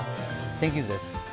天気図です。